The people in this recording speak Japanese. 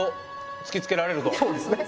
そうですね。